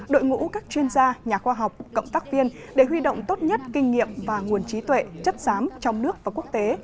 đội ngũ các chuyên gia nhà khoa học cộng tác viên để huy động tốt nhất kinh nghiệm và nguồn trí tuệ chất giám trong nước và quốc tế